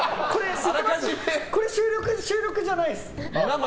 これ、収録じゃないです。